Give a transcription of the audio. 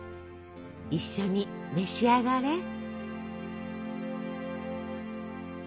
一緒に召し上がれ。